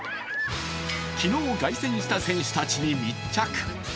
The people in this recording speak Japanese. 昨日、凱旋した選手たちに密着。